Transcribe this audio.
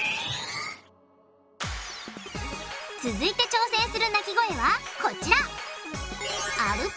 続いて挑戦する鳴き声はこちら！